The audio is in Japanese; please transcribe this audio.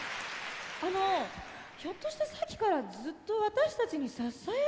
あのひょっとしてさっきからずっと私たちにささやいてました？